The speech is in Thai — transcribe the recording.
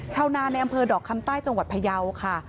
ชาวนาในอำเภอดอกคำใต้จังหวัดพยาวค่ะ